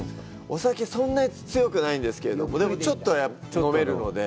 お酒そんなに強くないんですけど、でも、ちょっとは飲めるので。